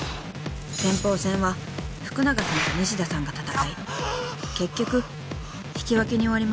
［先鋒戦は福永さんと西田さんが戦い結局引き分けに終わりました］